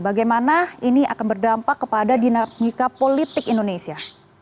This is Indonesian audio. bagaimana ini akan berdampak kepada dinamika politik indonesia